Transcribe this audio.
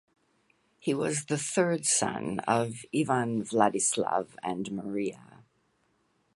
He was the third son of Ivan Vladislav and Maria.